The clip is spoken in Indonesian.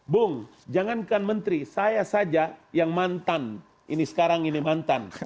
bung jangankan menteri saya saja yang mantan ini sekarang ini mantan